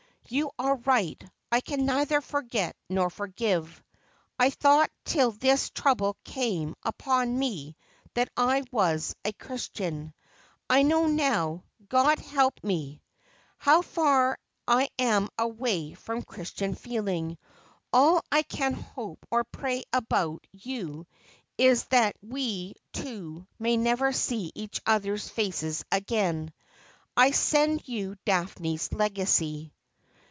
You are right — I can neither forget nor forgive. I thought till this trouble came upon me that I was a Christian ; I know now, God help me ! how far I am away from Christian feeling. All I can hope or pray about you is that we two may never see each other's face again. I send you Daphne's legacy.'